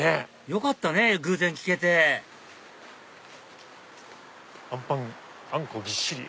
よかったね偶然聴けてあんパンあんこぎっしり。